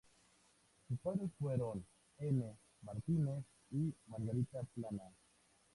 Sus padres fueron N. Martínez y Margarita Plana.